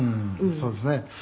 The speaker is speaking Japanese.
そうですね」